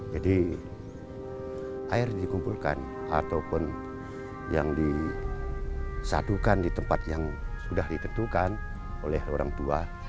jadi air dikumpulkan ataupun yang disadukan di tempat yang sudah ditentukan oleh orang tua